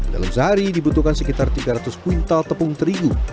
dalam sehari dibutuhkan sekitar tiga ratus kuintal tepung terigu